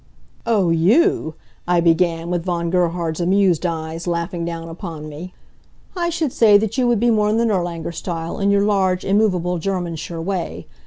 "Oh, you!" I began, with Von Gerhard's amused eyes laughing down upon me. "I should say that you would be more in the Nirlanger style, in your large, immovable, Germansure way.